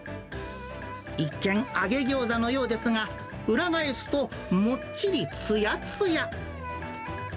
一見、揚げギョーザのようですが、裏返すと、もっちりつやつや。